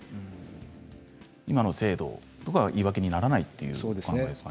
今の制度が言い訳にならないということですね。